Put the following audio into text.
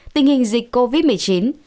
tình hình dịch covid một mươi chín